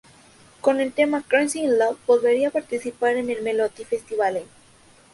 Con el tema ""Crazy In Love"" volvería a participar en el Melodifestivalen.